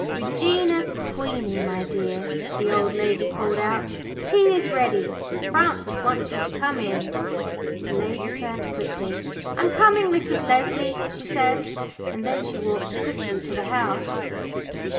"Regina, Queenie, my dear," the old lady called out, "tea is ready. Frances wants you to come in." The lady turned quickly. "I'm coming, Mrs. Leslie," she said, and then she walked quickly to the house.